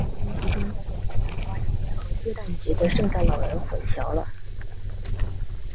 实际上奈勒斯是将万圣节的南瓜仙和耶诞节的圣诞老人混淆了。